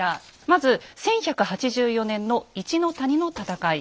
まず１１８４年の一の谷の戦い。